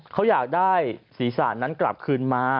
เขาอยากได้ศีรษะนั้นกลับคืนมา